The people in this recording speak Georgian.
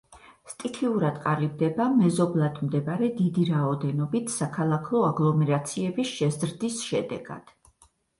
სტიქიურად ყალიბდება მეზობლად მდებარე დიდი რაოდენობით საქალაქო აგლომერაციების შეზრდის შედეგად.